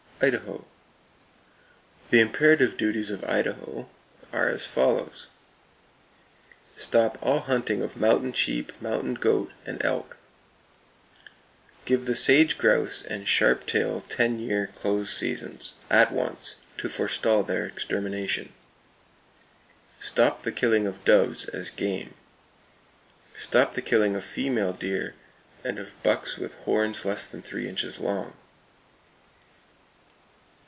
Idaho: The imperative duties of Idaho are as follows: Stop all hunting of mountain sheep, mountain goat and elk. Give the sage grouse and sharp tail ten year close seasons, at once, to forestall their extermination. Stop the killing of doves as "game." Stop the killing of female deer, and of bucks with horns less than three inches long.